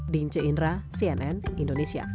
din ce indra cnn indonesia